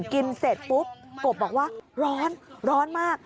เสร็จปุ๊บกบบอกว่าร้อนร้อนมาก